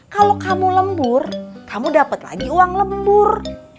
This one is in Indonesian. kalau kamu lembur kamu dapat lagi uang lembur